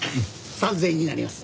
３０００円になります。